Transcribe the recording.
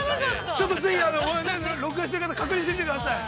ちょっとぜひ、録画している方、確認してみてください。